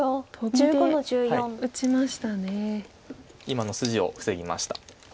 今の筋を防ぎました。